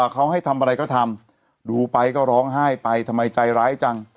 เขาให้ทำอะไรก็ทำดูไปก็ร้องไห้ไปทำไมใจร้ายจัง